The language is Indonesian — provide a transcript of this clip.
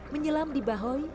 menyelam di bahoy